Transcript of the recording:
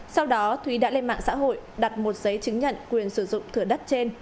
sau đó thúy đã lên mạng xã hội đặt một giấy chứng nhận quyền sử dụng thửa đất trên